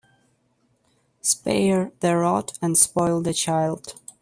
Spare the rod and spoil the child.